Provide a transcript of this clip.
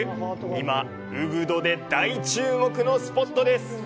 今、ウブドで大注目のスポットです！